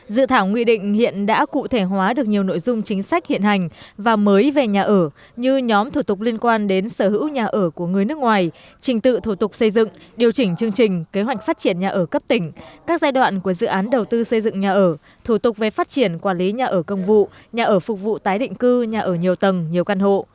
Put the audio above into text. dự thảo nghị định hiện đã cụ thể hóa được nhiều nội dung chính sách hiện hành và mới về nhà ở như nhóm thủ tục liên quan đến sở hữu nhà ở của người nước ngoài trình tự thủ tục xây dựng điều chỉnh chương trình kế hoạch phát triển nhà ở cấp tỉnh các giai đoạn của dự án đầu tư xây dựng nhà ở thủ tục về phát triển quản lý nhà ở công vụ nhà ở phục vụ tái định cư nhà ở nhiều tầng nhiều căn hộ